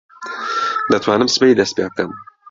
دەتوانم سبەی دەست پێ بکەم.